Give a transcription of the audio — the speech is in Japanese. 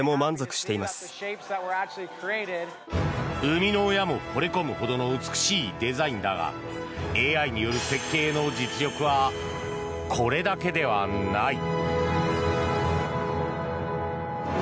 生みの親もほれ込むほどの美しいデザインだがＡＩによる設計の実力はこれだけではない。